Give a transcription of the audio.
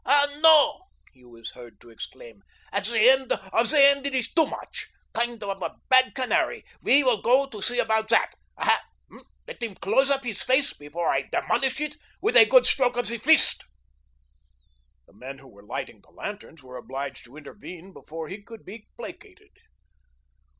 "Ah, no," he was heard to exclaim, "at the end of the end it is too much. Kind of a bad canary we will go to see about that. Aha, let him close up his face before I demolish it with a good stroke of the fist." The men who were lighting the lanterns were obliged to intervene before he could be placated.